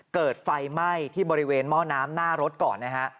เกิดไฟไหม้ที่บริเวณหม้อน้ำหน้ารถก่อนนะฮะ